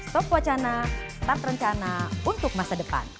stop wacana start rencana untuk masa depan